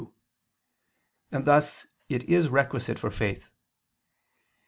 2); and thus it is requisite for faith.